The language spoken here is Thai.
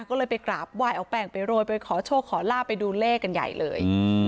ก็เลยไปกราบไหว้เอาแป้งไปโรยไปขอโชคขอลาบไปดูเลขกันใหญ่เลย